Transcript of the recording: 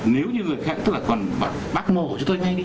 nếu như người khác tựa quần bắt mổ cho tôi ngay đi